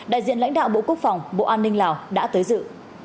đại diện lãnh đạo bộ quốc phòng bộ an ninh lào đã tới dự